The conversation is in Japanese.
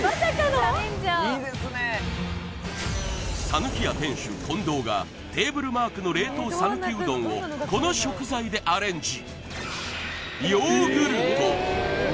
さぬきや店主近藤がテーブルマークの冷凍さぬきうどんをこの食材でアレンジ